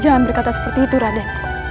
jangan berkata seperti itu raden